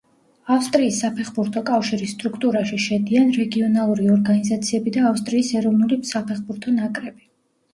ავსტრიის საფეხბურთო კავშირის სტრუქტურაში შედიან რეგიონალური ორგანიზაციები და ავსტრიის ეროვნული საფეხბურთო ნაკრები.